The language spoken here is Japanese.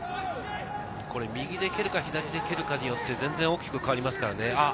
右で蹴るか左で蹴るかによって全然大きく変わりますからね。